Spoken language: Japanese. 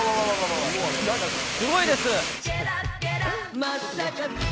すごいです。